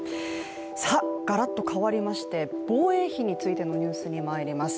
ガラッと変わりまして、防衛費についてのニュースにまいります。